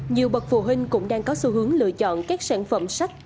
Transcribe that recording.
nhiều bậc phụ huynh cũng đang có xu hướng lựa chọn các sản phẩm sách